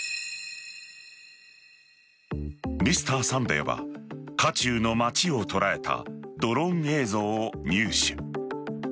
「Ｍｒ．サンデー」は渦中の街を捉えたドローン映像を入手。